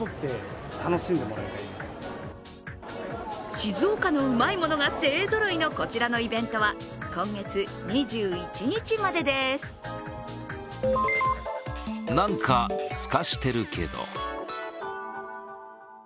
静岡のうまいものが勢ぞろいのこちらのイベントは今月２１日までです。